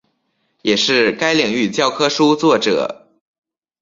也是该领域教科书作者。